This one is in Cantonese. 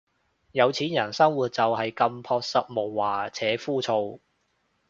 有錢人生活就係咁樸實無華且枯燥